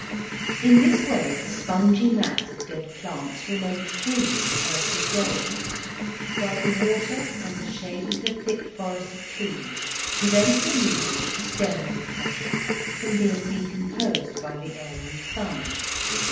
In this way the spongy mass of dead plants remains free from earthy grains, while the water and the shade of the thick forest of trees prevent the leaves, stems, etc., from being decomposed by the air and sun.